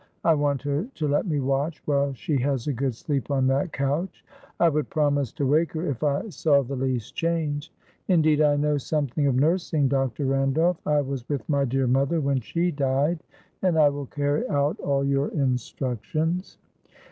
"I want her to let me watch while she has a good sleep on that couch. I would promise to wake her if I saw the least change. Indeed, I know something of nursing, Dr. Randolph. I was with my dear mother when she died, and I will carry out all your instructions."